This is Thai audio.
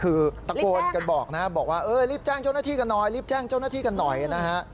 คือตะโกนกันบอกนะบอกว่าเออรีบแจ้งเจ้าหน้าที่กันหน่อยรีบแจ้งเจ้าหน้าที่กันหน่อยนะฮะ